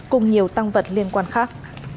cùng nhiều tăng vật liên quan khác